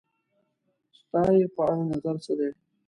ستا یی په اړه نظر څه دی؟